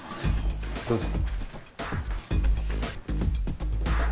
どうぞ。